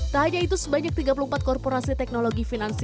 tak hanya itu sebanyak tiga puluh empat korporasi teknologi finansial